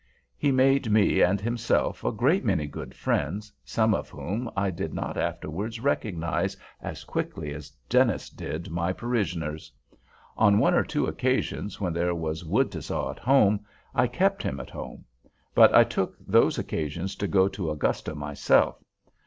He made me and himself a great many good friends, some of whom I did not afterwards recognize as quickly as Dennis did my parishioners. On one or two occasions, when there was wood to saw at home, I kept him at home; but I took those occasions to go to Augusta myself.